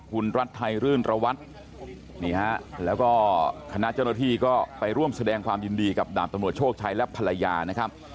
คุณรัฐไทยรื่นระวัตรนี่ฮะแล้วก็คณะเจ้าหน้าที่ก็ไปร่วมแสดงความยินดีกับดาบตำรวจโชคชัยและภรรยานะครับ